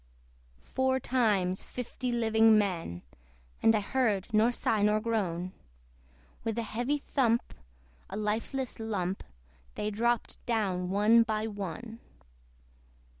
Four times fifty living men, (And I heard nor sigh nor groan) With heavy thump, a lifeless lump, They dropped down one by one.